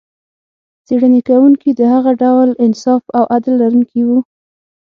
څېړنې کوونکي د هغه ډول انصاف او عدل لرونکي و.